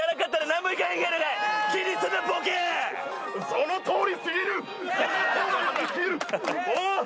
そのとおりすぎる！